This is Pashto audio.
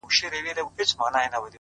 پوه انسان د حقیقت پر لور روان وي.!